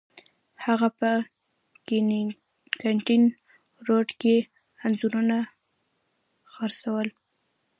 هغه په کینینګټن روډ کې انځورونه خرڅول.